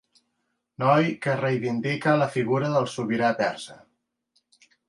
Noi que reivindica la figura del sobirà persa.